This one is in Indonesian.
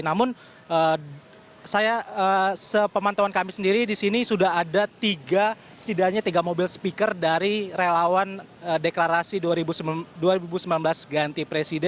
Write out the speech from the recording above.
namun saya sepemantauan kami sendiri di sini sudah ada tiga setidaknya tiga mobil speaker dari relawan deklarasi dua ribu sembilan belas ganti presiden